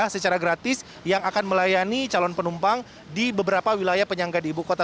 secara gratis yang akan melayani calon penumpang di beberapa wilayah penyangga di ibu kota